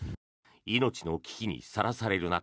命の危機にさらされる中